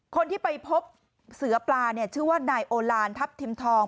คนที่ไปพบเสือปลาเนี่ยชื่อว่านายโอลานทัพทิมทอง